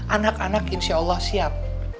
anak anak insya allah siap